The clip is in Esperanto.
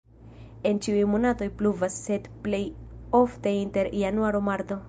En ĉiuj monatoj pluvas, sed plej ofte inter januaro-marto.